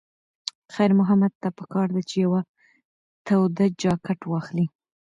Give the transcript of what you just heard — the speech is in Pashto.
خیر محمد ته پکار ده چې یوه توده جاکټ واخلي.